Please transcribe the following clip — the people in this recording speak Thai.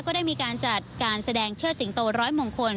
ก็ได้มีการจัดการแสดงเชิดสิงโตร้อยมงคล